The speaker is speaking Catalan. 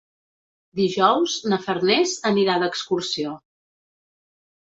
Dijous na Farners anirà d'excursió.